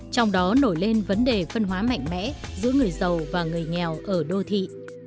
trong đó nổi lên vấn đề phân hóa mạnh mẽ giữa người giàu và người nghèo ở đô thị